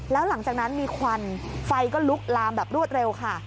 แล้วหลังจากนั้นมีควันไฟก็ลุกลามแบบรวดเร็วค่ะ